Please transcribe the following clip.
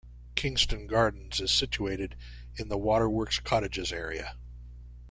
Kingston Gardens is situated in the Waterworks Cottages area.